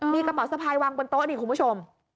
มีกระเป๋าสะพายวางบนโต๊ะนี่คุณผู้ชม